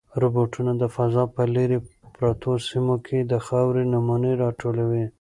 روبوټونه د فضا په لیرې پرتو سیمو کې د خاورې نمونې راټولوي.